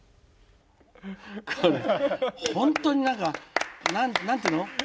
これは本当に何か何て言うの？